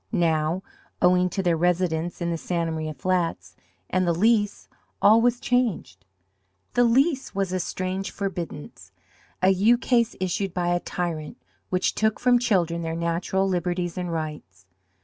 Now, owing to their residence in the Santa Maria flats, and the Lease, all was changed. The Lease was a strange forbiddance, a ukase issued by a tyrant, which took from children their natural liberties and rights.